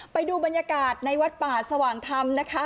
ไปดูบรรยากาศในวัดป่าสว่างธรรมนะคะ